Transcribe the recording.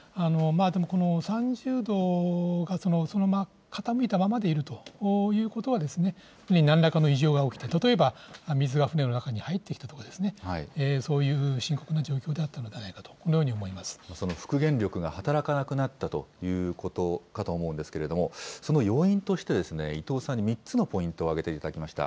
この３０度がそのまま傾いたままでいるということは、船になんらかの異常が起きた、例えば、水が船の中に入ってきたとか、そういう深刻な状況であったのではその復原力が働かなくなったということかと思うんですけれども、その要因として、伊藤さん、３つのポイントを挙げていただきました。